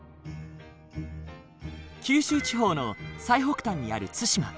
九州地方の最北端にある対馬。